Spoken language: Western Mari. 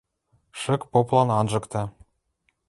Шык поплан анжыкта.